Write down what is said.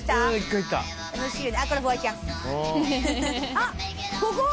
あっここ！